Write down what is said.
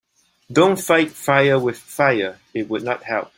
Don‘t fight fire with fire, it would not help.